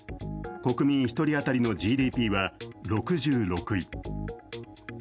国民１人当たりのＧＤＰは６６位。